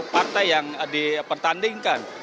partai yang dipertandingkan